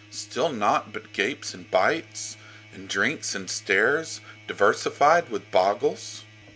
Still naught but gapes and bites, And drinks and stares, diversified with boggles?